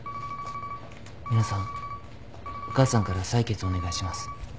ミナさんお母さんから採血をお願いします。